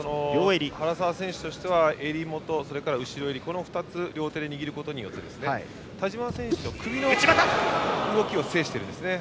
原沢選手としては襟元と奥襟この２つを両手で握ることによって田嶋選手の首の動きを制しているんですね。